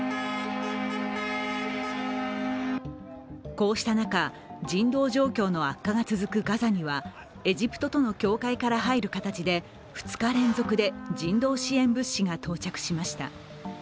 こうした中、人道状況の悪化が続くガザにはエジプトとの境界から入る形で２日連続で人道支援物資が到着しました。